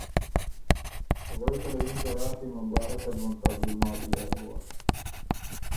غوېکه له یِن که راڒی مبارکت بون ته ګلماتی ا دُوه،